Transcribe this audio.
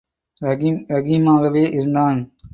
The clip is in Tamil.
ரஹீம் ரஹீமாகவே இருந்தான்.